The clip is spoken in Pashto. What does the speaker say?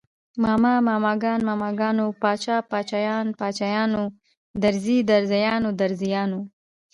ماما، ماماګان، ماماګانو، باچا، باچايان، باچايانو، درزي، درزيان، درزیانو